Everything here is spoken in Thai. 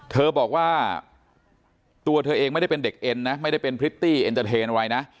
เธอบอกว่าตัวเธอเองไม่ได้เป็นเด็กเอ็นนะไม่ได้เป็นพริตตี้เอ็นเตอร์เทนอะไรนะ